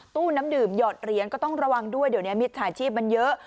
ตู้น้ำดื่มหยอดเหรียญก็ต้องระวังด้วยเดี๋ยวนี้มิจฉาชีพมันเยอะ